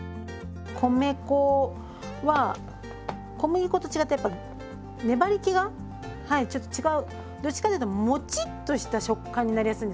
米粉は小麦粉と違ってやっぱ粘りけがはいちょっと違うどっちかっていうともちっとした食感になりやすいんですよね。